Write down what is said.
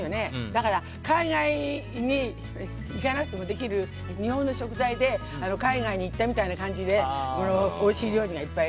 だから海外に行かなくてもできる日本の食材で海外に行ったみたいな感じでおいしい料理がいっぱい。